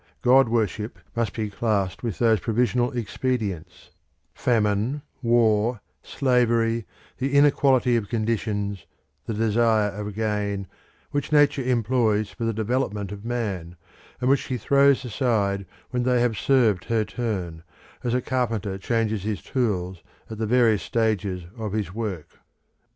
God worship must be classed with those provisional expedients, Famine, War, Slavery, the Inequality of Conditions, the Desire of Gain, which Nature employs for the development of man, and which she throws aside when they have served her turn, as a carpenter changes his tools at the various stages of his work.